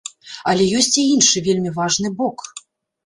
Але ёсць і іншы, вельмі важны бок.